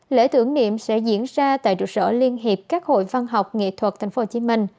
lễ tưởng niệm sẽ diễn ra tại trụ sở liên hiệp các hội văn học nghệ thuật tp hcm